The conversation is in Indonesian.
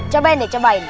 cobain deh cobain